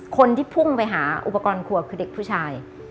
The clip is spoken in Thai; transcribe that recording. คนที่พุ่งไปหาอุปกรณ์ครัวคือเด็กผู้ชาย